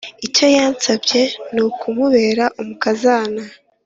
icyo yansabye nukumubera umukazana